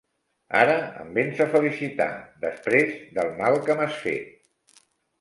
Ara em vens a felicitar després del mal que m'has fet.